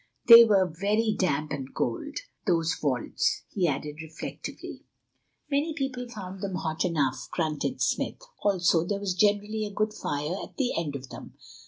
They were very damp and cold, those vaults," he added reflectively. "Many people found them hot enough," grunted Smith, "also, there was generally a good fire at the end of them.